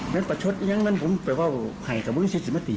ถึงพยาบาลประการเงิบ